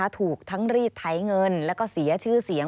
ถูกทั้งรีดไถเงินแล้วก็เสียชื่อเสียง